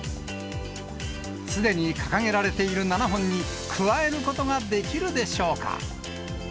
すでに掲げられている７本に加えることができるでしょうか。